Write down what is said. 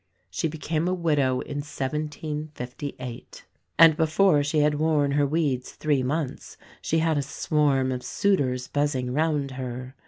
She became a widow in 1758; and before she had worn her weeds three months she had a swarm of suitors buzzing round her.